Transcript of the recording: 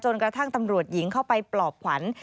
กระทั่งตำรวจหญิงเข้าไปปลอบขวัญ